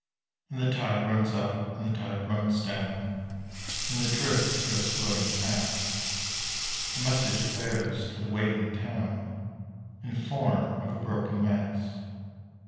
And the tide runs up and the tide runs down, And the drift goes floating past; A message it bears to the waiting town In form of a broken mast.